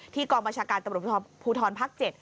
ที่กรมประชาการตระบุภูทรภาค๗